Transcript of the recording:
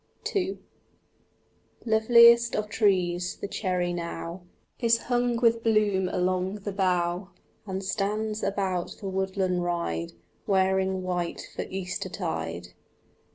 II Loveliest of trees, the cherry now Is hung with bloom along the bough, And stands about the woodland ride Wearing white for Eastertide.